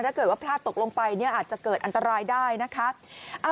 ถ้าเกิดว่าพลาดตกลงไปเนี่ยอาจจะเกิดอันตรายได้นะคะ